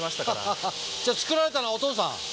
じゃ作られたのはお父さん？